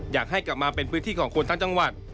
อยากให้กลับมาเป็นพื้นที่ของคนทั้งจังหวัด